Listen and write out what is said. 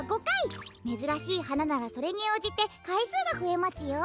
めずらしいはなならそれにおうじてかいすうがふえますよ。